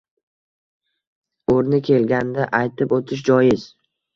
O‘rni kelganida aytib o‘tish joiz